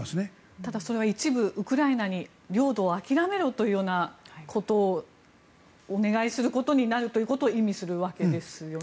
ただ、それは一部、ウクライナに領土を諦めろというようなことをお願いすることになることを意味するわけですよね。